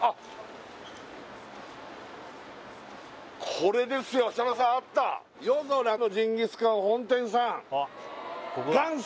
これですよ設楽さんあった夜空のジンギスカン本店さん「元祖！